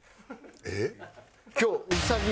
えっ？